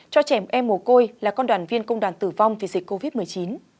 cho trẻ em mồ côi là con đoàn viên công đoàn tử vong vì dịch covid một mươi chín